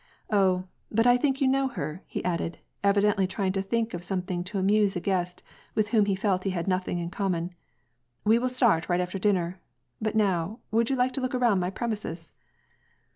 Oh, but I think you know her," he added, evidently trying to think of some thing to amuse a guest, with whom he felt that he had nothing in common, " we will start right after dinner. But now would you like to look around my premises